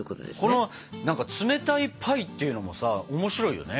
この冷たいパイっていうのもさ面白いよね。